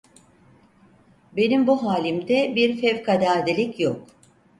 Benim bu halimde bir fevkaladelik yok.